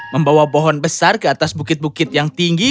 membawa pohon besar ke atas bukit bukit yang tinggi